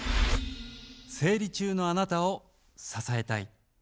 「生理中のあなたを支えたい」。